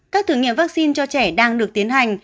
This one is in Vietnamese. các thử nghiệm vắc xin cho trẻ đang được tiến hành